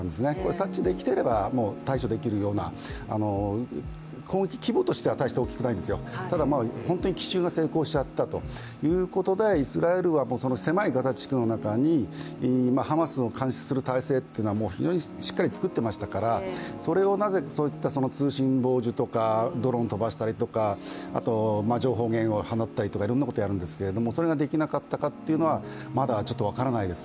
察知できていれば対処できるような攻撃規模としては大して大きくないんですただ本当に奇襲が成功してしまったということで、イスラエルは狭いガザ地区の中に、ハマスを監視する体制というのはしっかり作っていましたからそれを、通信傍受とかドローンを飛ばしたりとか、情報源を放ったりとかいろんなことをやるんですけど、それができなかったのかはまだちょっと分からないです、